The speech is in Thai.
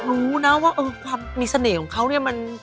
รู้นะว่าความมีเสน่ห์ของเขาเนี่ย